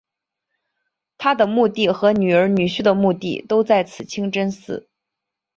她的墓地和女儿女婿的墓地都在此清真寺。